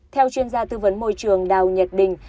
theo chuyên gia tư vấn môi trường đào nhật đình